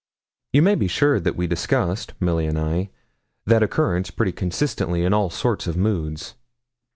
You may be sure that we discussed, Milly and I, that occurrence pretty constantly in all sorts of moods.